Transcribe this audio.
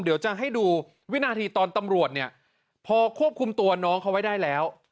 เดี๋ยวจะให้ดูวินาทีตอนตำรวจเนี่ยพอควบคุมตัวน้องเขาไว้ได้แล้ว